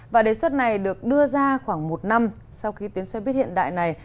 và đề xuất này được đưa ra khoảng một năm sau khi tuyến xe buýt hiện đại này